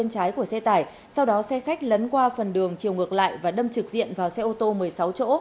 trái của xe tải sau đó xe khách lấn qua phần đường chiều ngược lại và đâm trực diện vào xe ô tô một mươi sáu chỗ